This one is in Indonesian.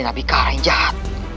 dan aku tidak bisa menjadi raditya